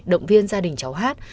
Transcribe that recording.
động viên gia đình cháu hát